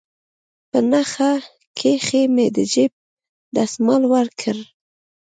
په نخښه كښې مې د جيب دسمال وركړ.